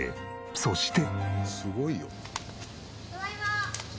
そして。